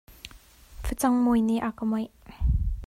Facang mawi nih a ka mawih.